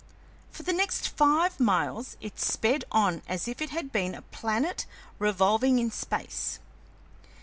For the next five miles it sped on as if it had been a planet revolving in space.